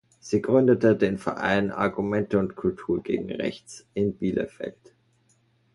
Sie gründete den Verein „Argumente und Kultur gegen rechts“ in Bielefeld.